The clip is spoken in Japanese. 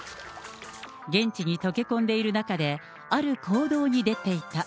現地に溶け込んでいる中で、ある行動に出ていた。